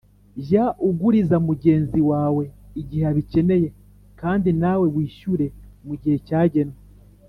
Jya uguriza mugenzi wawe igihe abikeneye, kandi nawe wishyure mu gihe cyagenwe.